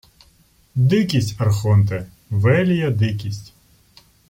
— Дикість, архонте, велія дикість…